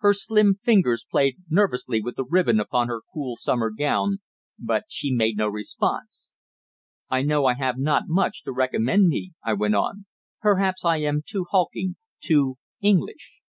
Her slim fingers played nervously with the ribbon upon her cool summer gown, but she made no response. "I know I have not much to recommend me," I went on. "Perhaps I am too hulking, too English.